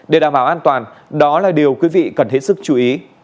để đảm bảo an toàn đó là điều quý vị cần hết sức chú ý